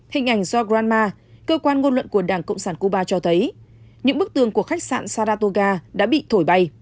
hình ảnh do granma cơ quan ngôn luận của đảng cộng sản cuba cho thấy những bức tường của khách sạn saratoga đã bị thổi bay